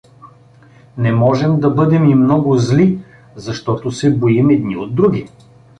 Не можем да бъдем и много зли, защото се боим едни от други.